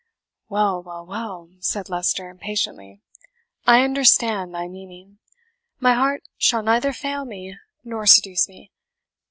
"Well, well, well!" said Leicester impatiently; "I understand thy meaning my heart shall neither fail me nor seduce me.